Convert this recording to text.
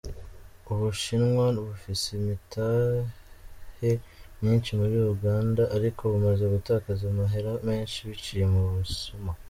Ubushinwa bufise imitahe myinshi muri Uganda, ariko bumaze gutakaza amahera menshi biciye mu busuma.